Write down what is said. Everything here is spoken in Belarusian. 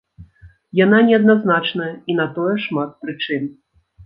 Яна не адназначная, і на тое шмат прычын.